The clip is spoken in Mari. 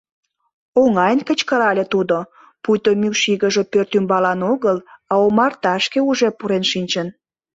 — Оҥайын кычкырале тудо, пуйто мӱкш игыже пӧрт ӱмбалан огыл, а омарташке уже пурен шинчын.